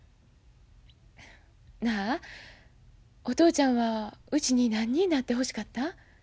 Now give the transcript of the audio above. なあお父ちゃんはうちに何になってほしかった？